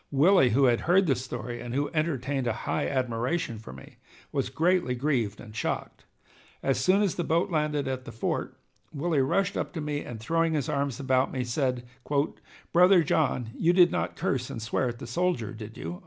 Willie, who had heard the story and who entertained a high admiration for me, was greatly grieved and shocked. As soon as the boat landed at the fort, Willie rushed up to me, and throwing his arms about me, said: "Brother John, you did not curse and swear at the soldier, did you?"